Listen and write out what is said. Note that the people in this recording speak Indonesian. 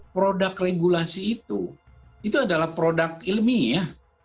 produk regulasi itu itu adalah produk ilmiah